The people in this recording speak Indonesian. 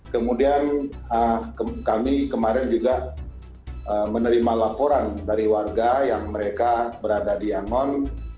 kemudian kami kemarin juga menerima laporan dari warga yang mereka berada di yangon